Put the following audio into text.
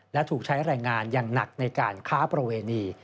และถูกใช้แรงงานอย่างหนักในการค้าประเวณี